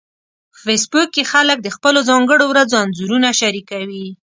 په فېسبوک کې خلک د خپلو ځانګړو ورځو انځورونه شریکوي